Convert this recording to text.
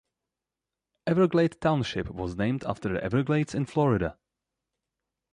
Everglade Township was named after the Everglades in Florida.